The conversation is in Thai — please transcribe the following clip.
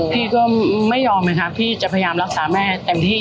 พี่ก็ไม่ยอมนะครับพี่จะพยายามรักษาแม่เต็มที่